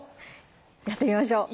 やってみましょう。